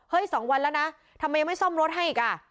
๒วันแล้วนะทำไมยังไม่ซ่อมรถให้อีกอ่ะ